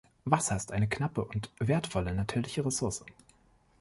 Wasser ist eine knappe und wertvolle natürliche Ressource.